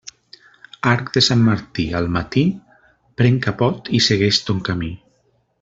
Arc de Sant Martí al matí, pren capot i segueix ton camí.